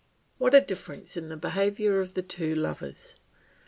What a difference in the behaviour of the two lovers!